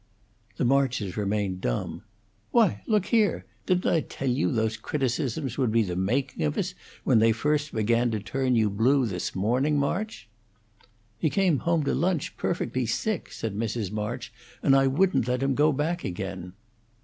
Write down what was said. The Marches remained dumb. "Why, look here! Didn't I tell you those criticisms would be the making of us, when they first began to turn you blue this morning, March?" "He came home to lunch perfectly sick," said Mrs. March; "and I wouldn't let him go back again."